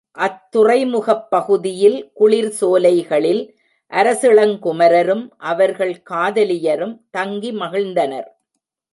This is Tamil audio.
அத் துறைமுகப் பகுதியில் குளிர் சோலைகளில் அரசிளங் குமரரும், அவர்கள் காதலியரும் தங்கி மகிழ்ந்தனர்.